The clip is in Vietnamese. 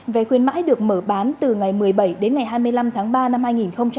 vé khuyến mãi được mở bán từ ngày một mươi bảy đến ngày hai mươi hai